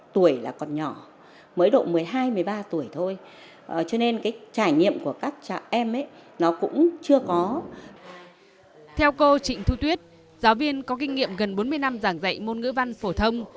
theo cô trịnh thu tuyết giáo viên có kinh nghiệm gần bốn mươi năm giảng dạy môn ngữ văn phổ thông